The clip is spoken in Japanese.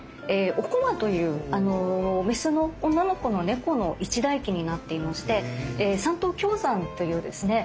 「おこま」というメスの女の子の猫の一代記になっていまして山東京山というですね